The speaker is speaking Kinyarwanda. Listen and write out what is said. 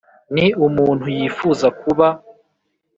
ni umuntu yifuza kuba.